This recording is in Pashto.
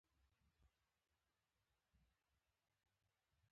خو پنجاب وایي چې څاڅي دې او زیاته دې څاڅي.